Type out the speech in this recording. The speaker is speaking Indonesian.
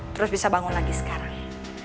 terus bisa bangun lagi sekarang